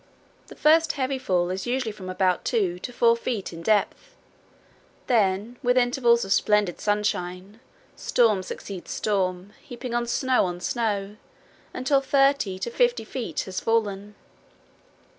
The first heavy fall is usually from about two to four feet in depth. Then, with intervals of splendid sunshine, storm succeeds storm, heaping snow on snow, until thirty to fifty feet has fallen.